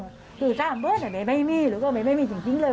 เชียร์สามเบิ้ลแม่ไม่มีหรือแม่ไม่มีจริงเลย